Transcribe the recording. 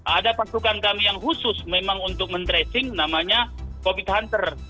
ada pasukan kami yang khusus memang untuk men tracing namanya covid hunter